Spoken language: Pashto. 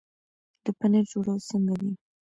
د پنیر جوړول څنګه دي؟